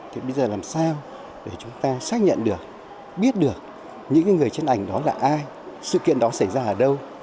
thì bây giờ làm sao để chúng ta xác nhận được biết được những người trên ảnh đó là ai sự kiện đó xảy ra ở đâu